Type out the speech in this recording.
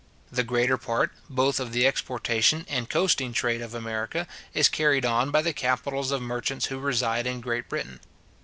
The greater part, both of the exportation and coasting trade of America, is carried on by the capitals of merchants who reside in Great Britain.